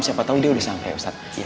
siapa tau dia udah sampai ustadzah